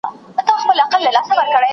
د طلاق په لفظ پوري اړوند شرطونه.